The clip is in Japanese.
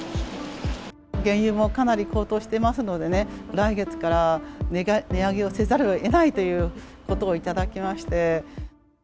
原油もかなり高騰してますのでね、来月から値上げをせざるをえないということをいただきまして。